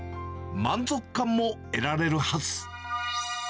満足感も得られるはず。